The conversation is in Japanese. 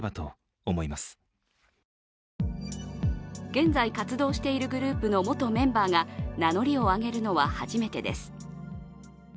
現在活動しているグループの元メンバーが名乗りを上げるのは初めてです。